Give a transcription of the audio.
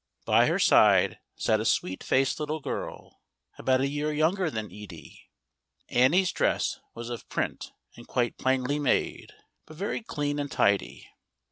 By her side sat a sweet faced little girl about a year younger than Edie. Annie's dress was of print and quite plainly made, but very clean and tidy.